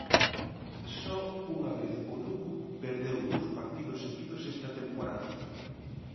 Só unha vez o Lugo perdeu dous partidos seguidos esta temporada.